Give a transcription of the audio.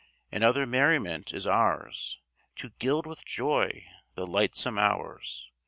And other merriment is ours, To gild with joy the lightsome hours.